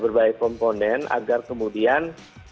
berbagai komponen agar kemudian